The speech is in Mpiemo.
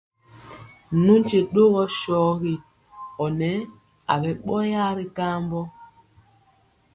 Nu nkye ɗɔgɔ sɔgi ɔ nɛ aɓɛ ɓɔyaa ri kambɔ.